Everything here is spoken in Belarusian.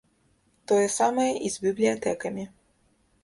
Тое самае і з бібліятэкамі.